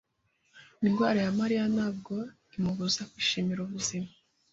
Indwara ya Mariya ntabwo imubuza kwishimira ubuzima.